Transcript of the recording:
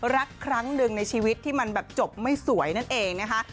รักครั้งหนึ่งในชีวิตที่มันแบบจบไม่สวยนั่นเองนะคะ